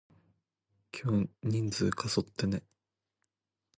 今日人数過疎ってね？